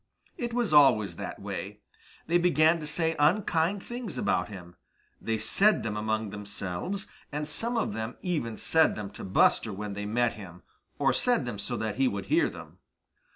It is always that way. They began to say unkind things about him. They said them among themselves, and some of them even said them to Buster when they met him, or said them so that he would hear them.